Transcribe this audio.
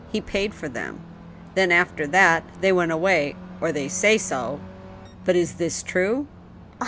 He paid for them, ... then after that they went away, or they say so ! But is this true